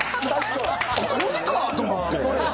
これか！と思って。